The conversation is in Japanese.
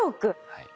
はい。